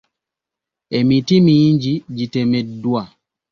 Emiti mingi gitemeddwa.